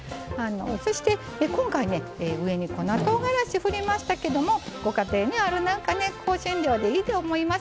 そして、今回上に粉とうがらしを振りましたけどご家庭にある香辛料でいいと思います。